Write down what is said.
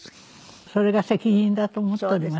それが責任だと思っております。